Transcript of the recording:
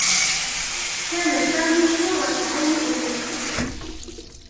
كان سامي قرّة عين أمّه.